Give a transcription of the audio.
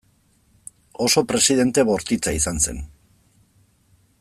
Oso presidente bortitza izan zen.